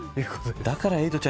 だからエイトちゃん